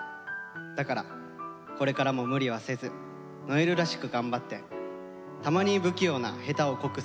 だからこれからも無理はせず如恵留らしく頑張ってたまに不器用な下手をこく姿を見せて下さい。